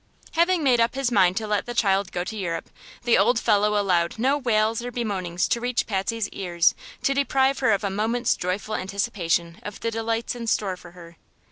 Having made up his mind to let the child go to Europe, the old fellow allowed no wails or bemoanings to reach Patsy's ears to deprive her of a moment's joyful anticipation of the delights in store for her.